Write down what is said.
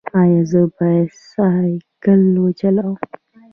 ایا زه باید سایکل وچلوم؟